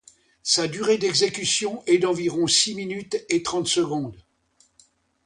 Sa durée d'exécution est d'environ six minutes et trente secondes.